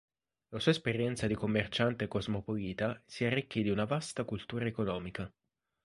La sua esperienza di commerciante cosmopolita si arricchì di una vasta cultura economica.